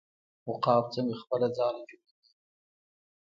عقاب څنګه خپله ځاله جوړوي؟